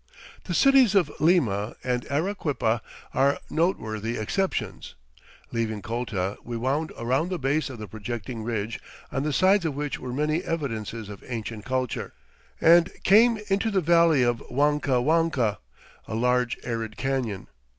The cities of Lima and Arequipa are noteworthy exceptions. Leaving Colta, we wound around the base of the projecting ridge, on the sides of which were many evidences of ancient culture, and came into the valley of Huancahuanca, a large arid canyon.